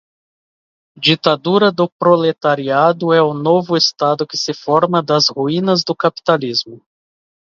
Ditadura do proletariado é o novo estado que se forma das ruínas do capitalismo